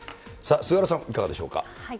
菅原さん、いかがでしょうか。